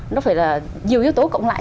nó phải là nhiều yếu tố cộng lại